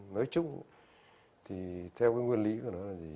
nói chung thì theo cái nguyên lý của nó là gì